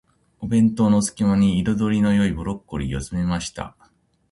お弁当の隙間に、彩りの良いブロッコリーを詰めました。